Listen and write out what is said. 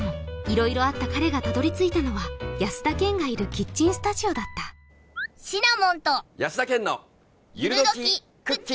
色々あった彼がたどり着いたのは安田顕がいるキッチンスタジオだったシナモンと安田顕のゆるドキ☆